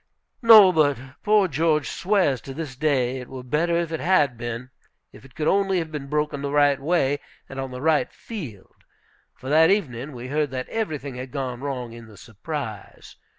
No, but poor George swears to this day it were better it had been, if it could only have been broken the right way and on the right field. For that evening we heard that everything had gone wrong in the surprise.